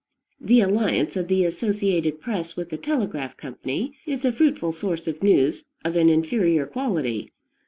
The alliance of the associated press with the telegraph company is a fruitful source of news of an inferior quality.